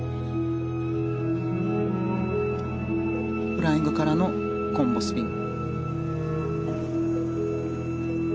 フライングからのコンボスピン。